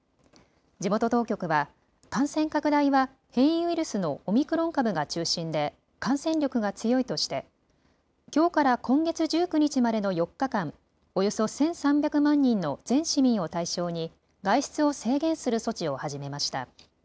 地元当局は感染拡大は変異ウイルスのオミクロン株が中心で感染力が強いとしてきょうから今月１９日までの４日間、およそ１３００万人の全市民を対象に外出を制限する措置を始めました。